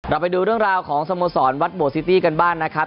ไปดูเรื่องราวของสโมสรวัดโบซิตี้กันบ้างนะครับ